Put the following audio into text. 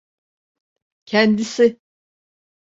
Kendisi…